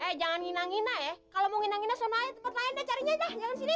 eh jangan ngina ngina ya kalau mau ngina ngina sana aja tempat lain dah carinya dah jangan sini